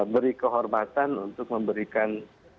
beri kehormatan untuk memberikan